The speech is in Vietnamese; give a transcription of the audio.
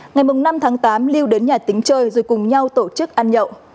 ngày năm tháng tám lưu đến nhà tính chơi rồi cùng nhau tổ chức ăn nhậu